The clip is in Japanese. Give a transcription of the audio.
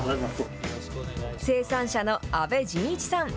生産者の阿部仁一さん。